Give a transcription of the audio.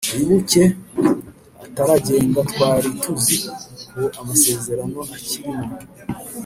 Wibuke ataragenda twari tuziko amasezerano akirimo